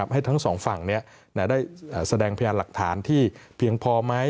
ให้ทั้งสองฝั่งได้แสดงพยานหลักฐานที่เพียงพอไหม